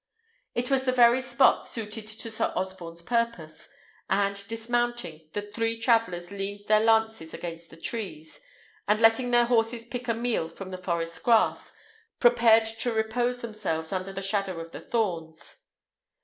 It was the very spot suited to Sir Osborne's purpose; and, dismounting, the three travellers leaned their lances against the trees, and letting their horses pick a meal from the forest grass, prepared to repose themselves under the shadow of the thorns.